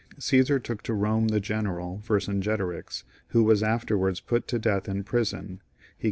Csesar took io Eome the general Vercingetorix, who was afterwards put to death in prison; he gd.